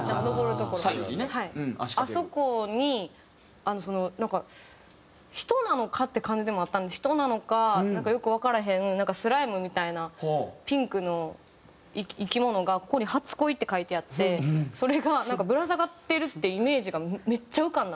あそこにそのなんか人なのかって感じでもあった人なのかなんかよくわからへんスライムみたいなピンクの生き物がここに「初恋」って書いてあってそれがぶら下がってるっていうイメージがめっちゃ浮かんだ。